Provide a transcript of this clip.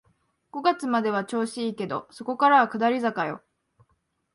五月までは調子いいけど、そこからは下り坂よ